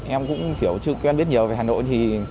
em cũng kiểu chưa quen biết nhiều về hà nội